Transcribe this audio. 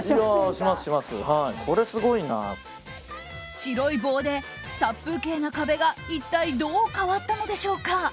白い棒で殺風景な壁が一体どう変わったのでしょうか。